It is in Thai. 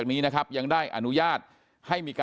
ก็คือเป็นการสร้างภูมิต้านทานหมู่ทั่วโลกด้วยค่ะ